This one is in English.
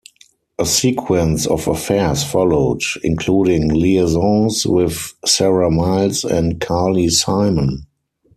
A sequence of affairs followed, including liaisons with Sarah Miles and Carly Simon.